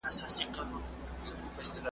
لحدونو ته لېږلي یې زلمیان وي `